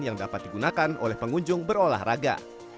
yang dapat digunakan oleh pengunjung berolahraga